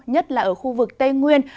nhất là ở khu vực tây nguyên